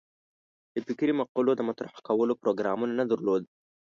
د فکري مقولو د مطرح کولو پروګرام نه درلود.